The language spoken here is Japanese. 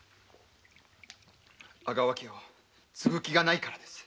阿川家を継ぐ気がないからです。